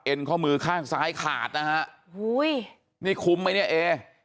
ข้อมือข้างซ้ายขาดนะฮะอุ้ยนี่คุ้มไหมเนี่ยเอ